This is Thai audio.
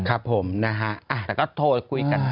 แต่ก็โทรกุยกัน